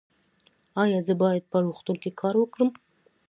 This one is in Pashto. ایا زه باید په روغتون کې کار وکړم؟